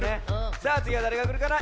さあつぎはだれがくるかな？